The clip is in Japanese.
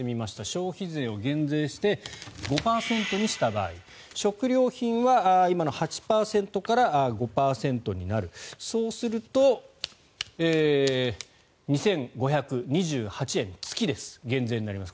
消費税を減税して５％にした場合食料品は今の８％から５％になるそうすると２５２８円、月です減税になります。